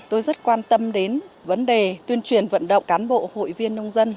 tôi rất quan tâm đến vấn đề tuyên truyền vận động cán bộ hội viên nông dân